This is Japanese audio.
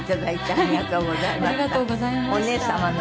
ありがとうございます。